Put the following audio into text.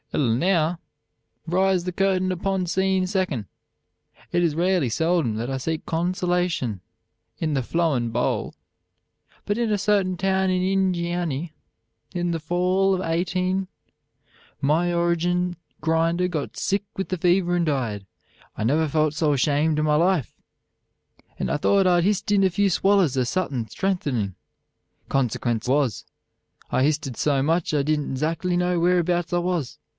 "I'le now rize the curtain upon seen 2nd. It is rarely seldum that I seek consolation in the Flowin Bole. But in a certain town in Injianny in the Faul of 18 , my orgin grinder got sick with the fever and died. I never felt so ashamed in my life, and I thought I'd hist in a few swallers of suthin strengthnin. Konsequents was, I histed so much I didn't zackly know whereabouts I was.